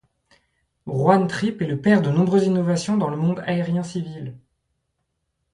Juan Trippe est le père de nombreuses innovations dans le monde aérien civil.